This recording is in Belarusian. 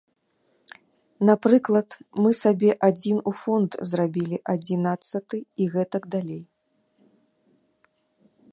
Напрыклад, мы сабе адзін у фонд зрабілі адзінаццаты і гэтак далей.